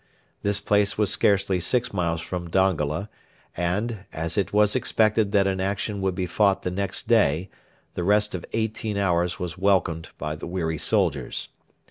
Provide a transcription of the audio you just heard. This place was scarcely six miles from Dongola, and, as it was expected that an action would be fought the next day, the rest of eighteen hours was welcomed by the weary soldiers.